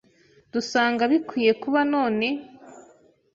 dusanga bikwiye kuba none